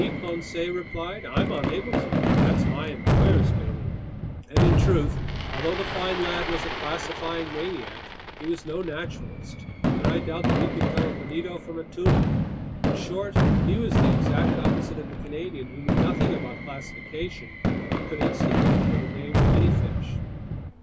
Conseil replied. "I'm unable to! That's my employer's bailiwick!" And in truth, although the fine lad was a classifying maniac, he was no naturalist, and I doubt that he could tell a bonito from a tuna. In short, he was the exact opposite of the Canadian, who knew nothing about classification but could instantly put a name to any fish.